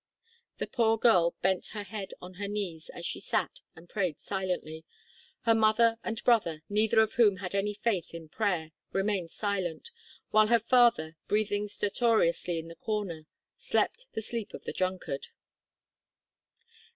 The poor girl bent her head on her knees as she sat, and prayed silently. Her mother and brother, neither of whom had any faith in prayer, remained silent, while her father, breathing stertorously in the corner, slept the sleep of the drunkard.